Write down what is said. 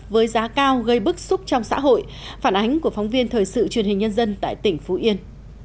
với giá cao gây bức xúc trong xã hội phản ánh của phóng viên thời sự truyền hình nhân dân tại tỉnh phú yên